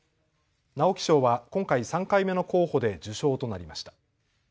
直木賞は今回３回目の候補で受賞となりました。